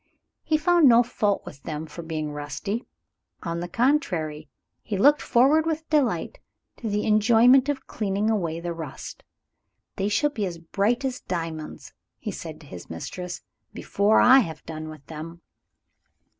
He found no fault with them for being rusty. On the contrary, he looked forward with delight to the enjoyment of cleaning away the rust. "They shall be as bright as diamonds," he had said to his mistress, "before I have done with them."